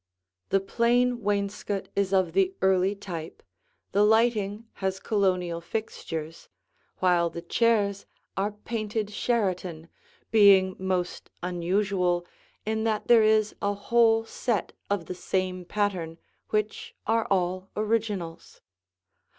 The plain wainscot is of the early type, the lighting has Colonial fixtures, while the chairs are painted Sheraton, being most unusual in that there is a whole set of the same pattern which are all originals.